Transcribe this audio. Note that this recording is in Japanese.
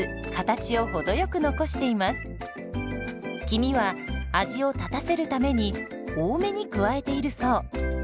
黄身は味を立たせるために多めに加えているそう。